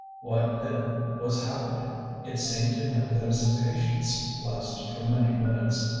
What, then, was happening? It seemed to him that his impatience lasted for many minutes.